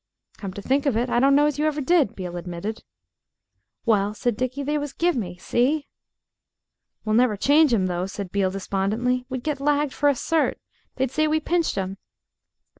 "Come to think of it, I don't know as you ever did," Beale admitted. "Well," said Dickie, "they was give me see?" "We'll never change 'em, though," said Beale despondently. "We'd get lagged for a cert. They'd say we pinched 'em."